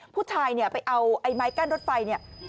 ผู้ชายไปเอาไมค์กั้นรถไฟ